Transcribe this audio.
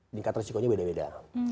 tingkat risikonya beda beda